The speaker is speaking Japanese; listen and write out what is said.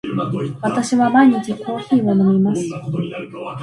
私は毎日コーヒーを飲みます。